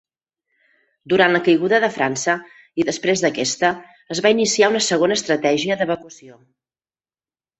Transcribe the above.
Durant la caiguda de França i després d'aquesta, es va iniciar una segona estratègia d'evacuació.